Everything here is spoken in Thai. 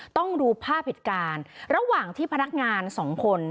ต้องดูภาพเหตุการณ์ระหว่างที่พนักงานสองคน